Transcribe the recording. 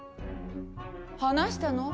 話したの？